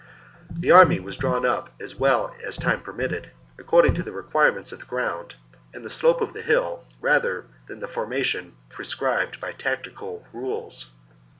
2 2. The army was drawn up as well as time permitted, according to the requirements of the ground and the slope of the hill rather than the formation prescribed by tactical rules.